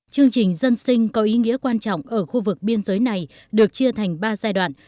chương trình dân sinh có ý nghĩa quan trọng ở khu vực biên giới này được chia thành ba giai đoạn